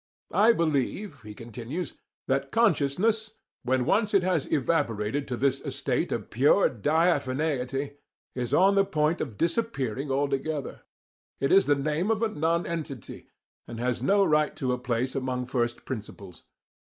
I believe (he continues) that 'consciousness,' when once it has evaporated to this estate of pure diaphaneity, is on the point of disappearing altogether. It is the name of a nonentity, and has no right to a place among first principles.